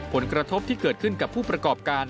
ผลกระทบที่เกิดขึ้นกับผู้ประกอบการ